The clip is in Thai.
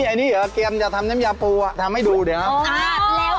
อันนี้เกลียมจะทำเน้มยาปูทำให้ดูเดี๋ยวครับ